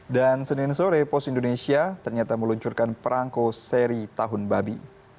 dan senin sore pos indonesia ternyata meluncurkan perangko seri tahun babi